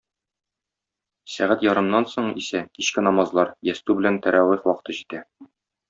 Сәгать ярымнан соң исә кичке намазлар - ястү белән тәравих вакыты керә.